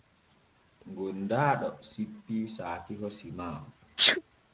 Gondaaɗo sippii saakiho sima.